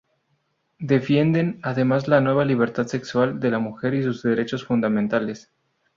Defienden, además, la nueva libertad sexual de la mujer y sus derechos fundamentales.